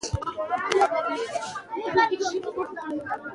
بیا په کښتۍ کې د هند ښار کلکتې ته ورسېد.